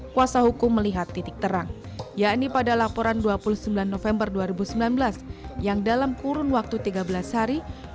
kuasa hukum melihat titik terang yakni pada laporan dua puluh sembilan november dua ribu sembilan belas yang dalam kurun waktu tiga belas hari